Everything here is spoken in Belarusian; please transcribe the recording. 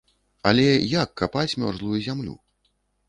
Але як капаць мёрзлую зямлю?